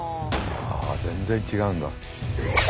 あ全然違うんだ。